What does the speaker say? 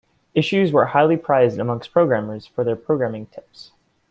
Issues were highly prized amongst programmers for their programming tips.